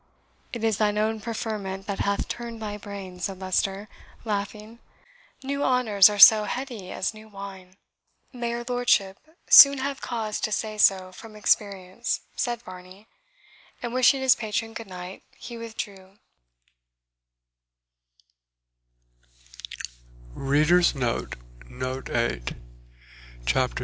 "It is thine own preferment that hath turned thy brain," said Leicester, laughing; "new honours are as heady as new wine." "May your lordship soon have cause to say so from experience," said Varney; and wishing his patron good night, he withdrew.